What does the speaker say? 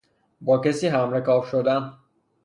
با کسی همرکاب شدن